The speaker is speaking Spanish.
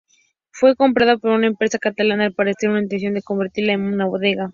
Fue comprada por una empresa catalana, al parecer con intención de convertirla en bodega.